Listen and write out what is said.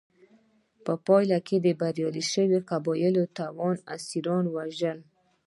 په پایله کې به بریالۍ شوې قبیلې ټول اسیران وژل.